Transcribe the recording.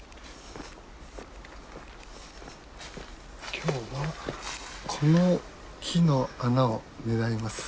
今日はこの木の穴を狙います。